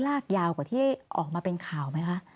ลากยาวกว่าที่ออกมาเป็นข่าวไหมคะ